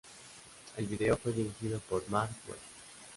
El vídeo fue dirigido por Marc Webb.